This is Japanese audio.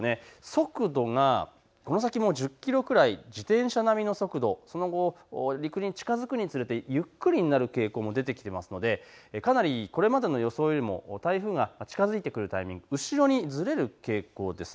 速度がこの先も１０キロぐらい、自転車並みの速度その後、陸に近づくにつれてゆっくりになる傾向も出てきてますので、かなりこれまでの予想よりも台風が近づいてくるタイミング後ろにずれる傾向です。